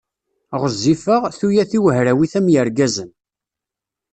Ɣezzifeɣ, tuyat-iw hrawit am yirgazen.